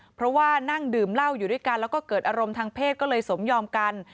เพราะว่านั่งดื่มเหล้าอยู่ด้วยกันแล้วก็เกิดอารมณ์ทางเพศก็เลยสมยอมกัน